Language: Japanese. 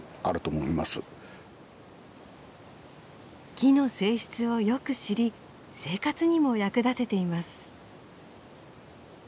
木の性質をよく知り生活にも役立てています。